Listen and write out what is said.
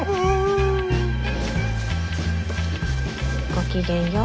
ごきげんよう。